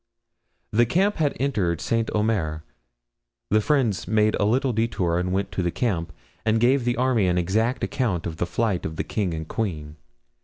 The camp had entered Saint Omer; the friends made a little detour and went to the camp, and gave the army an exact account of the flight of the king and queen.